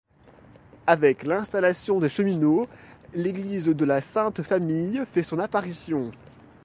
Avec l'installation des cheminots, l'église de la Sainte-Famille fait son apparition.